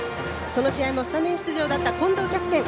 その試合もスタメン出場だった近藤キャプテン。